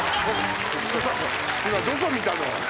今どこ見たの？